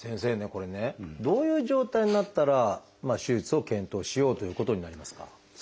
これねどういう状態になったら手術を検討しようということになりますか？